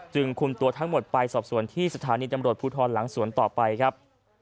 คุมตัวทั้งหมดไปสอบสวนที่สถานีตำรวจภูทรหลังสวนต่อไปครับ